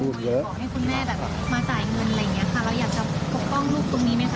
ลูกสาวหลายครั้งแล้วว่าไม่ได้คุยกับแจ๊บเลยลองฟังนะคะ